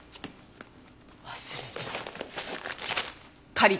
忘れてた。